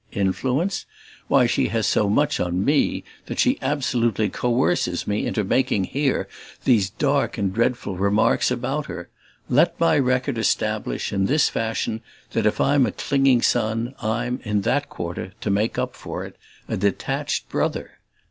Influence? why she has so much on ME that she absolutely coerces me into making here these dark and dreadful remarks about her! Let my record establish, in this fashion, that if I'm a clinging son I'm, in that quarter, to make up for it, a detached brother.